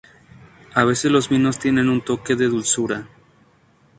A veces los vinos tienen un toque de dulzura.